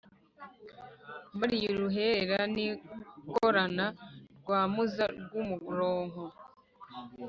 Mbariye urukerera nikorana Rwamuza rw’umuronko,